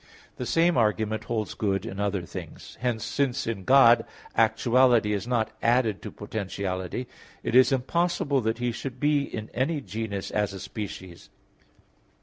The same argument holds good in other things. Hence since in God actuality is not added to potentiality, it is impossible that He should be in any genus as a species.